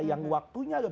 yang waktunya berakhir